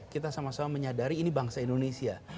kita sama sama menyadari ini bangsa indonesia